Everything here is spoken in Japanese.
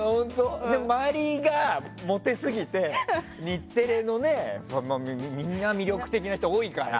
周りがモテすぎて日テレのみんな魅力的な人、多いから。